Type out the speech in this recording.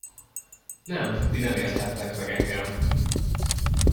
Nem, ti nem érthettek meg engem!